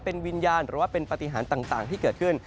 เป็นวิญญาณหรือว่าเป็นปฏิหารต่างที่เกิดขึ้น